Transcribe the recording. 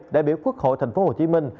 đại biểu quốc hội thành phố hồ chí minh